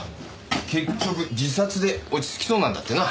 結局自殺で落ち着きそうなんだってな。